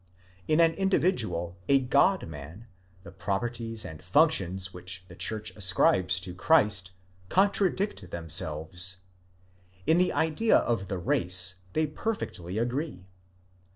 In an individual, a God man, the properties and functions which the church ascribes to Christ contradict themselves ; in the idea of the race, they perfectly agree.